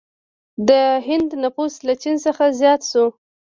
د هند نفوس له چین څخه زیات شو.